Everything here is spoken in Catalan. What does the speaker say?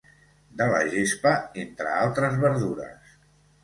De la gespa, entre altres verdures.